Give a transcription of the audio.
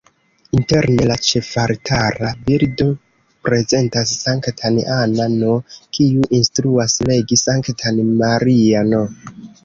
Interne la ĉefaltara bildo prezentas Sanktan Anna-n, kiu instruas legi Sanktan Maria-n.